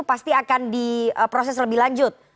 pasti akan diproses lebih lanjut